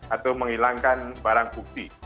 atau menghilangkan barang bukti